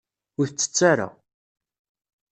Ur t-tett ara.